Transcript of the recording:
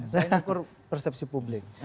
saya ngukur persepsi publik